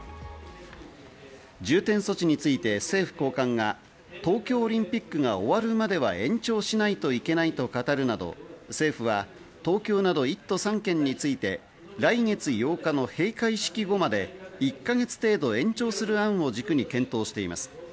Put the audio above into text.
重点措置について政府高官が東京オリンピックが終わるまでは延長しないといけないと語るなど、政府は東京など１都３県について来月８日の閉会式後まで１か月程度延長する案を軸に検討しています。